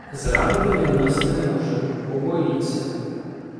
Зрадити він нас не може — побоїться.